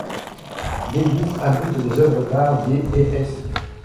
L'église abrite des œuvres d'art des et s.